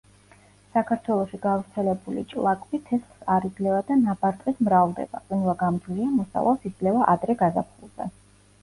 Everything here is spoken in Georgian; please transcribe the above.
საქართველოში გავრცელებული ჭლაკვი თესლს არ იძლევა და ნაბარტყით მრავლდება; ყინვაგამძლეა, მოსავალს იძლევა ადრე გაზაფხულზე.